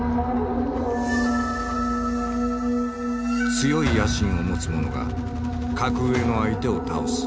強い野心を持つ者が格上の相手を倒す。